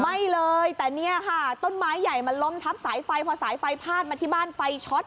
ไหม้เลยแต่เนี่ยค่ะต้นไม้ใหญ่มันล้มทับสายไฟพอสายไฟพาดมาที่บ้านไฟช็อต